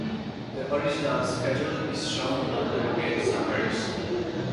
The original schedule is shown under Game Summaries.